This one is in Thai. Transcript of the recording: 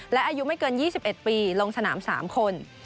และอายุไม่เกิน๒๑ปีลงสนาม๓คน